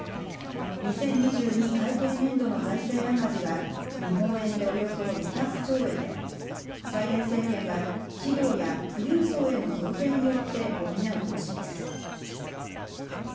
２０２２会計年度の財政赤字は日本円で、およそ２００兆円でバイデン政権は企業や富裕層への増税によって補う方針です。